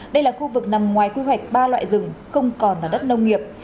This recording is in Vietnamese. đây là khu vực nằm ngoài quy hoạch ba loại rừng không còn là đất nông nghiệp